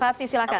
pak hapsi silahkan